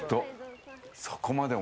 そこまで。